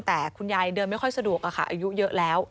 แต่คุณยายเดินไม่ค่อยสะดวกค่ะอายุเยอะแล้ว